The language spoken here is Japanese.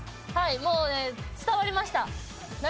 もうね伝わりました。